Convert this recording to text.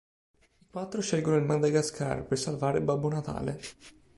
I quattro scelgono il Madagascar, per salvare Babbo Natale.